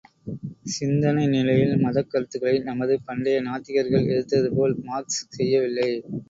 சிந்தனை நிலையில் மதக் கருத்துக்களை நமது பண்டைய நாத்திகர்கள் எதிர்த்ததுபோல், மார்க்ஸ் செய்யவில்லை.